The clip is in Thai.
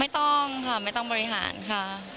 ไม่ต้องค่ะไม่ต้องบริหารค่ะ